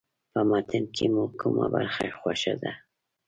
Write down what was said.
په متن کې مو کومه برخه خوښه ده.